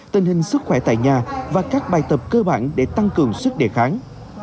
tình hình sức khỏe tại nhà và các bài tập cơ bản để tăng cường sức đề kháng